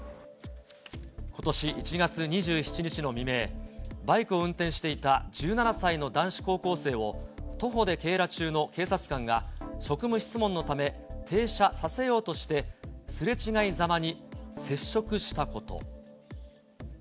ことし１月２７日の未明、バイクを運転していた１７歳の男子高校生を、徒歩で警ら中の警察官が、職務質問のため停車させようとして、すれ違いざまに接触したこと。